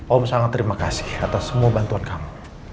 om sangat terima kasih atas semua bantuan kamu